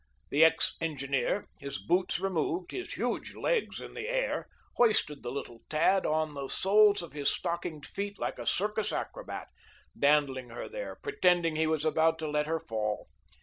The ex engineer, his boots removed, his huge legs in the air, hoisted the little tad on the soles of his stockinged feet like a circus acrobat, dandling her there, pretending he was about to let her fall.